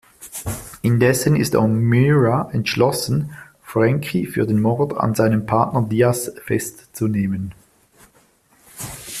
Indessen ist O’Meara entschlossen, Frankie für den Mord an seinem Partner Diaz festzunehmen.